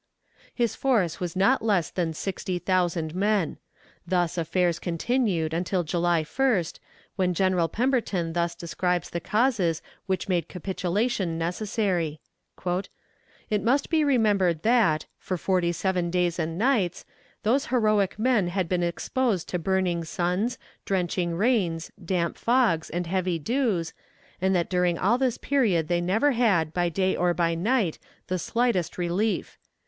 His force was not less than sixty thousand men. Thus affairs continued until July 1st, when General Pemberton thus describes the causes which made capitulation necessary: "It must be remembered that, for forty seven days and nights, those heroic men had been exposed to burning suns, drenching rains, damp fogs, and heavy dews, and that during all this period they never had, by day or by night, the slightest relief.